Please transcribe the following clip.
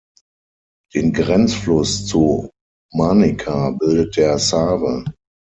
Den Grenzfluss zu Manica bildet der Save.